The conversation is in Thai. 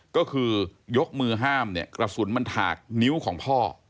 ก็คือยกมือห้ามเนี่ยกระสุนมันถากนิ้วของพ่อ